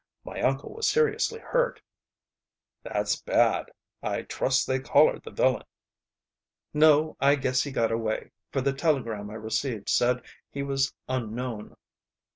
My uncle was seriously hurt." "That's bad. I trust they collared the villain." "No; I guess he got away, for the telegram I received said he was unknown."